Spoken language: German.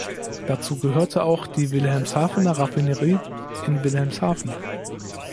Dazu gehörte auch die Wilhelmshavener Raffinerie in Wilhelmshaven.